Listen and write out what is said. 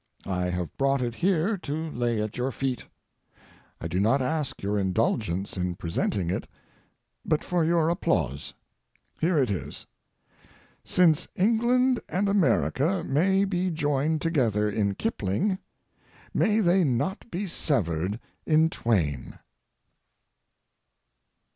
I have brought it here to lay at your feet. I do not ask your indulgence in presenting it, but for your applause. Here it is: "Since England and America may be joined together in Kipling, may they not be severed in 'Twain.'"